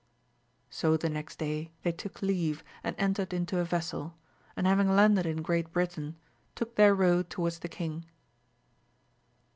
So the next day they took leave and entered into a vessel, and having landed in Great Britain, took their road towards the king.